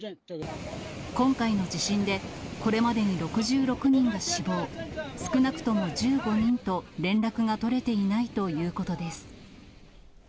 今回の地震で、これまでに６６人が死亡、少なくとも１５人と連絡が取れていないということです。